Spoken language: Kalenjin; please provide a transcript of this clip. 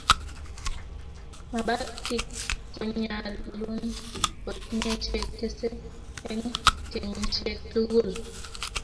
kabatik konyalun kotinye che kese eng kenyishiek tugul